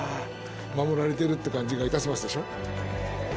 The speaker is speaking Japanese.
守られてるって感じがいたしますでしょ？